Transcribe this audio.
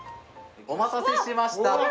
お待たせしました。